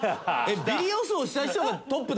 ビリ予想した人がトップ？